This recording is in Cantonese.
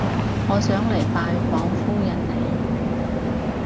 我想嚟拜訪夫人你